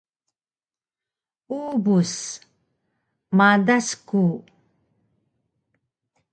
Ubus: Madas ku